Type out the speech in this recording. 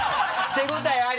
手応えあり？